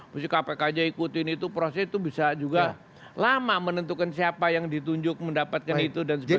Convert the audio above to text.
mesti kpk aja ikutin itu proses itu bisa juga lama menentukan siapa yang ditunjuk mendapatkan itu dan sebagainya